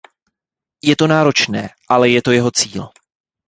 Je to náročné, ale je to jeho cíl.